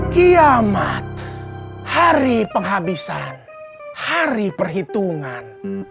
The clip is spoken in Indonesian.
kiamat hari penghabisan hari perhitungan